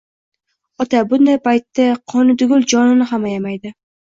Ota bunday paytda qoni tugul, jonini ham ayamaydi